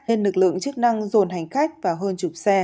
nên lực lượng chức năng dồn hành khách và hơn chục xe